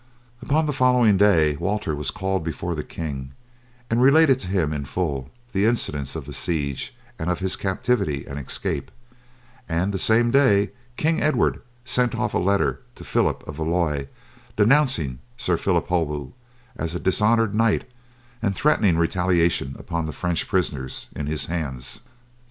Upon the following day Walter was called before the king, and related to him in full the incidents of the siege and of his captivity and escape; and the same day King Edward sent off a letter to Phillip of Valois denouncing Sir Phillip Holbeaut as a dishonoured knight, and threatening retaliation upon the French prisoners in his hands.